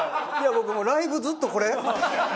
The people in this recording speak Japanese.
僕もうライブずっとこれ？